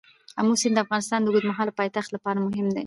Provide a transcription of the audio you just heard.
آمو سیند د افغانستان د اوږدمهاله پایښت لپاره مهم دی.